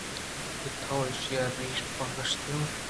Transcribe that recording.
کہ تو ایشاں رِیش بخشاتگ